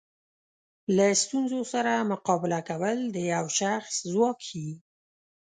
له ستونزو سره مقابله کول د یو شخص ځواک ښیي.